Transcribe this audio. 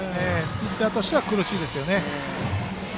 ピッチャーとしては苦しいでしょうね。